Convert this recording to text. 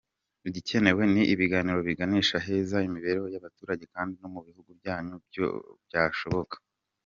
Igikenewe ni ibiganiro biganisha heza imibereho y’abaturage kandi no mu bihugu byanyu byashoboka.